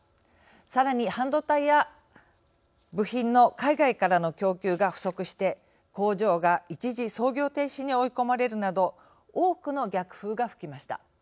さらに、半導体や部品の海外からの供給が不足して工場が一時操業停止に追い込まれるなど多くの逆風が吹きました。